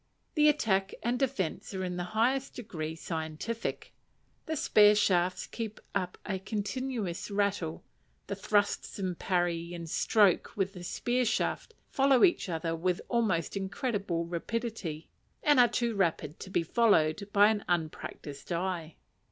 The attack and defence are in the highest degree scientific; the spear shafts keep up a continuous rattle; the thrust, and parry, and stroke with the spear shaft follow each other with almost incredible rapidity, and are too rapid to be followed by an unpractised eye.